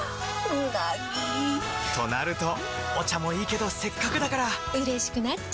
うなぎ！となるとお茶もいいけどせっかくだからうれしくなっちゃいますか！